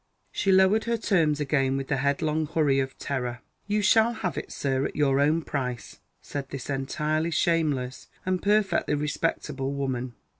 She lowered her terms again with the headlong hurry of terror. "You shall have it, Sir, at your own price," said this entirely shameless and perfectly respectable woman.